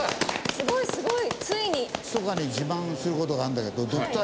すごいすごい。